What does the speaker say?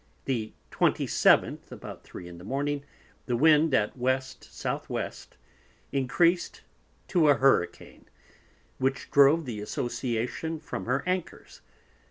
The 27th about three in the Morning, the Wind at West South West, encreased to a Hurricane, which drove the Association from her Anchors.